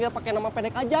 pake nama pendek aja